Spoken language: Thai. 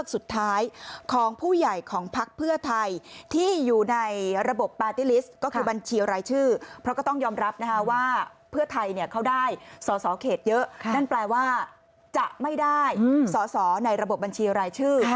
สอเขตเยอะนั่นแปลว่าจะไม่ได้สอในระบบบัญชีรายชื่อ